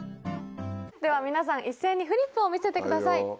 では皆さん一斉にフリップを見せてください。